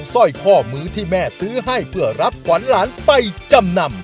ซื้อให้เพื่อรับขวัญหลานไปจำนำ